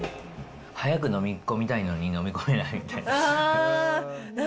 早く飲み込みたいのに飲み込めないみたいな。